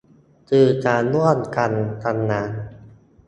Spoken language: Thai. คือการร่วมกันทำงาน